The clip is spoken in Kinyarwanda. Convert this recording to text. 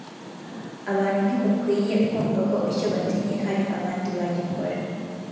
abantu ntibakwiye kumva ko icyo batinye hari abandi bagikora